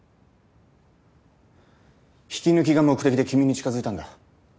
引き抜きが目的で君に近づいたんだ。